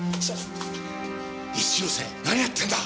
一ノ瀬何やってんだ！